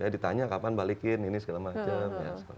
ditanya kapan balikin ini segala macam